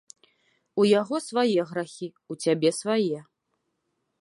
У яго свае грахі, у цябе свае.